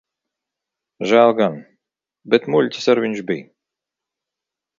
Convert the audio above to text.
Žēl gan. Bet muļķis ar viņš bij.